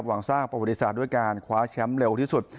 หวังสร้างประวัติศาสตร์ด้วยการคว้าแชมป์เร็วที่สุด